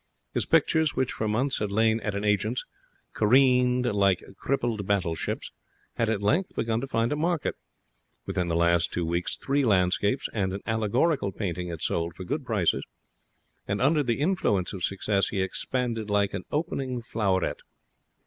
His pictures, which for months had lain at an agent's, careened like crippled battleships, had at length begun to find a market. Within the past two weeks three landscapes and an allegorical painting had sold for good prices; and under the influence of success he expanded like an opening floweret.